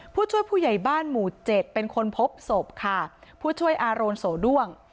ผู้ช่วยผู้ใหญ่บ้านหมู่เจ็ดเป็นคนพบศพค่ะผู้ช่วยอาโรนโสด้วง